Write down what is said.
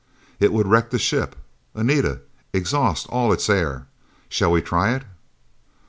"It would wreck the ship, Anita: exhaust all its air. Shall we try it?"